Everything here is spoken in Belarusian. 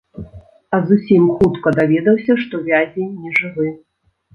А зусім хутка даведаўся, што вязень нежывы.